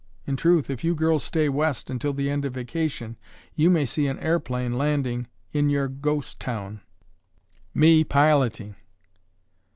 In truth, if you girls stay West until the end of vacation, you may see an airplane landing in your ghost town—me piloting!!!???"